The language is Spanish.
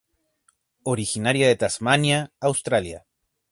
Originaria de Tasmania, Australia.